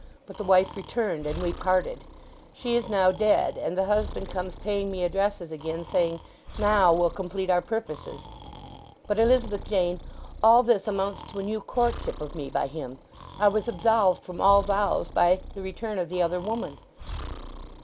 But the wife returned, and we parted. She is now dead, and the husband comes paying me addresses again, saying, 'Now we'll complete our purposes.' But, Elizabeth Jane, all this amounts to a new courtship of me by him; I was absolved from all vows by the return of the other woman."